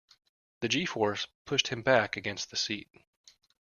The G-force pushed him back against the seat.